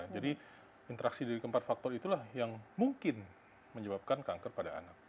jadi interaksi dari empat faktor itulah yang mungkin menyebabkan kanker pada anak